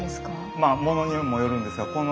まあ物にもよるんですがあっ